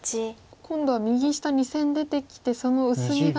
今度は右下２線出てきてその薄みが。